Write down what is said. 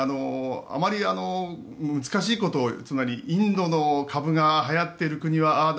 あまり難しいことつまりインドの株がはやっている国はああだ